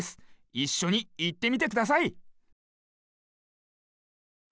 いっしょにいってみてください。